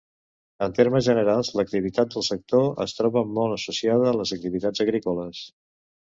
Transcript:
En termes generals, l'activitat del sector es troba molt associada a les activitats agrícoles.